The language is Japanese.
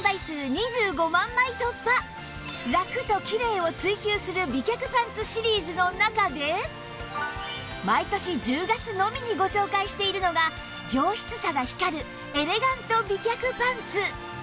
ラクとキレイを追求する美脚パンツシリーズの中で毎年１０月のみにご紹介しているのが上質さが光るエレガント美脚パンツ